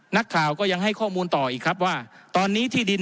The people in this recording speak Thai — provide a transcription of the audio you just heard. นักข่าวก็ยังให้ข้อมูลต่ออีกครับว่าตอนนี้ที่ดิน